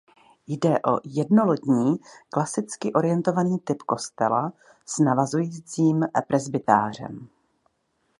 Jde o jednolodní klasicky orientovaný typ kostela s navazujícím presbytářem.